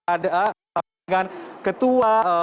ada dengan ketua